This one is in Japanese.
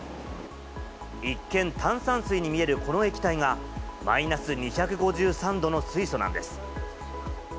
一見、炭酸水に見えるこの液体が、マイナス２５３度の水素なんです。